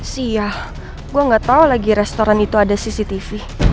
sial gue gak tau lagi restoran itu ada cctv